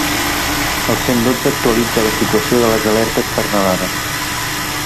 El cent dotze actualitza la situació de les alertes per nevades.